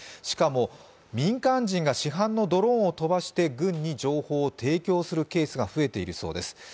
しかも、民間人が市販のドローンを飛ばして軍に情報を提供するケースが増えているそうです。